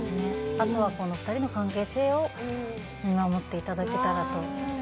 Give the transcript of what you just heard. あとは、この２人の関係性を見守っていただけたらと。